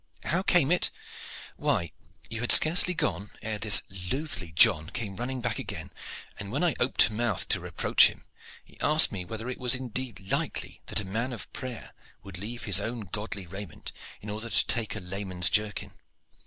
How came it? Why, you had scarce gone ere this loathly John came running back again, and, when I oped mouth to reproach him, he asked me whether it was indeed likely that a man of prayer would leave his own godly raiment in order to take a layman's jerkin.